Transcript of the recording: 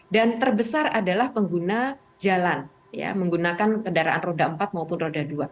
dan terbesar adalah pengguna jalan menggunakan kendaraan roda empat maupun roda dua